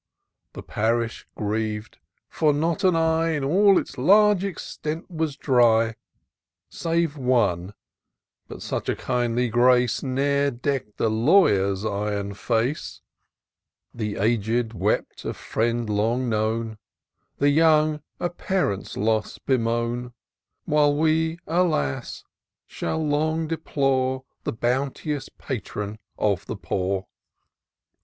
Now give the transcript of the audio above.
The parish griev'd, for not an eye In all its large extent was dry. Save one ;— ^but such a kindly grace Ne'er deck'd the lawyer'^ iron face. The aged wept a friend long known^ The young a parent's loss bemoan : IN SEARCH OF THE PICTURESQUE. ► 81 While we, alas ! shall long deplore The bounteous patron of the poor."